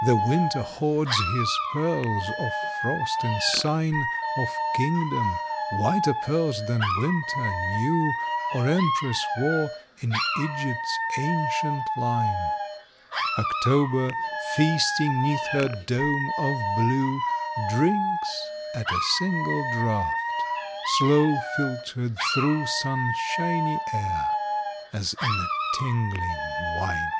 The winter hoards his pearls of frost in sign Of kingdom: whiter pearls than winter knew, Or Empress wore, in Egypt's ancient line, October, feasting 'neath her dome of blue, Drinks at a single draught, slow filtered through Sunshiny air, as in a tingling wine!